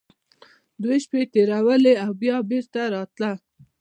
دوې شپې يې تېرولې او بيا بېرته راته.